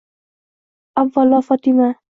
Avvalo Fotima...